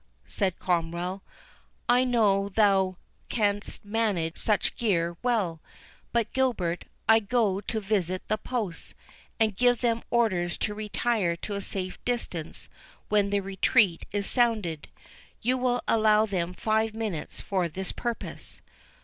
said Cromwell, "I know thou canst manage such gear well—But, Gilbert, I go to visit the posts, and give them orders to retire to a safe distance when the retreat is sounded. You will allow them five minutes for this purpose."